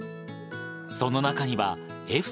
その中には、笑